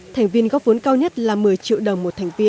thành viên góp vốn cao nhất là một mươi triệu đồng